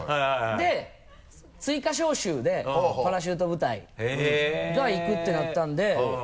で追加招集でパラシュート部隊が行くってなったんで。